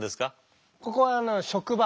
ここは職場。